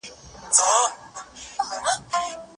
له سګرېټو ډډه کول مهم دي.